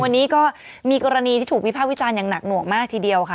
วันนี้ก็มีกรณีที่ถูกวิภาควิจารณ์อย่างหนักหน่วงมากทีเดียวค่ะ